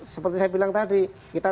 seperti saya bilang tadi kita